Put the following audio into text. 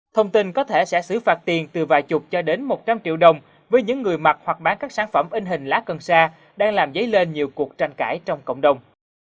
thông tin có thể sẽ xử phạt tiền từ vài chục cho đến một trăm linh triệu đồng với những người mặc hoặc bán các sản phẩm in hình lá cần xa đang làm dấy lên nhiều cuộc tranh cãi trong cộng đồng